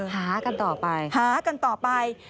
หากันต่อไปหากันต่อไป